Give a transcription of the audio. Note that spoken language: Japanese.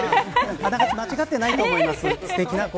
あながち間違ってないと思います。